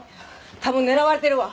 多分狙われてるわ。